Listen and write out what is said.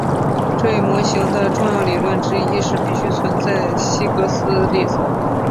这一模型的重要结论之一是必须存在希格斯粒子。